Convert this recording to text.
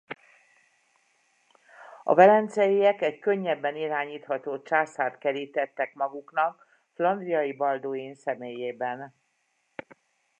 A velenceiek egy könnyebben irányítható császárt kerítettek maguknak Flandriai Balduin személyében.